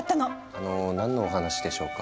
あの何のお話でしょうか？